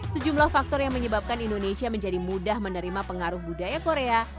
sejumlah faktor yang menyebabkan indonesia menjadi mudah menerima pengaruh budaya korea